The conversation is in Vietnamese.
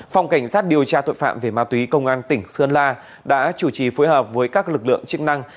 phòng cảnh sát điều tra tội phạm về ma túy công an tỉnh sơn la đã chủ trì phối hợp với các lực lượng chức năng